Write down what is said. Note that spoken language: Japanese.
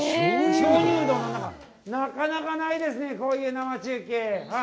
なかなかないですね、こういう生中継。